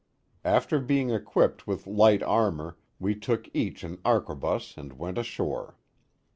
After being equipped with light armor, we took each an arquebus and went ashore.